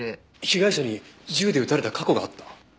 被害者に銃で撃たれた過去があった？